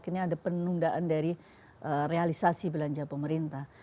akhirnya ada penundaan dari realisasi belanja pemerintah